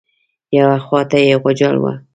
یوې خوا ته یې غوجل وه.